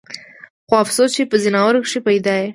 خو افسوس چې پۀ ځناورو کښې پېدا ئې